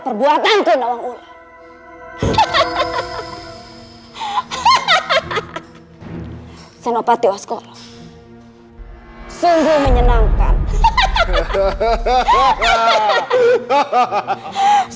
perbuatan kuno ulah hahaha hahaha senopati waskolong hai sungguh menyenangkan hahaha